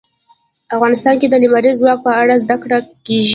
افغانستان کې د لمریز ځواک په اړه زده کړه کېږي.